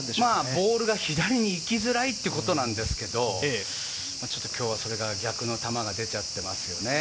ボールが左に行きづらいっていうことなんですけど、ちょっと今日はそれが逆の球が出ちゃってますよね。